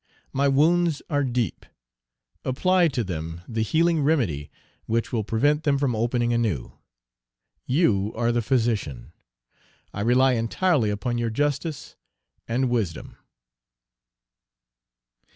My wounds are deep; apply to them the healing remedy which will prevent them from opening anew; you are the physician; I rely entirely upon your justice and wisdom!